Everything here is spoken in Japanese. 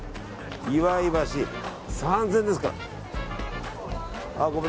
祝い箸３０００円ですか。